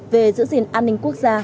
về giữ gìn an ninh quốc gia